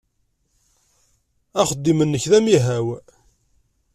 Axeddim-nnek d amihaw?